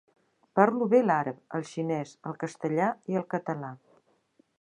Parlo bé l'àrab, el xinès, el castellà i el català.